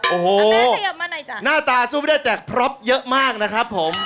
โอ้โหหน้าตาสู้ไม่ได้แต่พร็อปเยอะมากนะครับผม